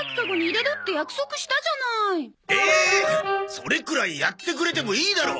それくらいやってくれてもいいだろう！